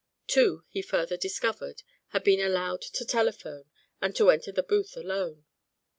Two, he further discovered, had been allowed to telephone and to enter the booth alone.